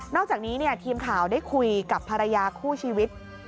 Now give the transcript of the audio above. อกจากนี้ทีมข่าวได้คุยกับภรรยาคู่ชีวิต